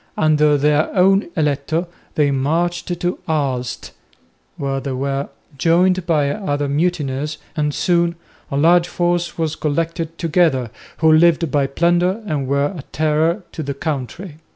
Under their own "eletto" they marched to Aalst, where they were joined by other mutineers, and soon a large force was collected together, who lived by plunder and were a terror to the country.